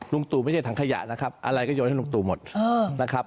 ตู่ไม่ใช่ถังขยะนะครับอะไรก็โยนให้ลุงตู่หมดนะครับ